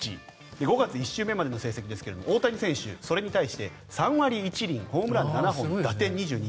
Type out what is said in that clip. ５月１週目までの成績ですが大谷選手、それに対して打率３割１厘ホームラン７本打点２２。